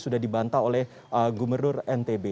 dibantah oleh gubernur ntb